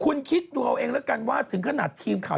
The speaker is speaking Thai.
คุณคิดดูเอาเองแล้วกันว่าถึงขนาดทีมข่าว